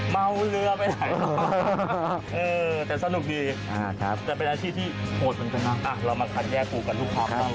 เมาเรือไปไหนเออแต่สนุกดีแต่เป็นอาชีพที่โหดเรามาคัดแยกปูกันทุกครอบตลอดแล้วเนี่ย